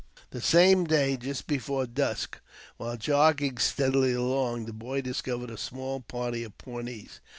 The same day, just before dusk, while jogging steadily along, the boy discovered a small party of Pawnees.